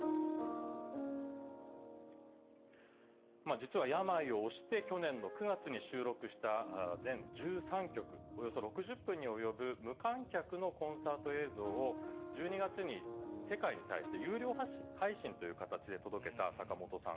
実は病を押して去年の９月に収録した全１３曲およそ６０分に及ぶ無観客のコンサート映像を１２月に世界に対して有料配信という形で届けた坂本さん。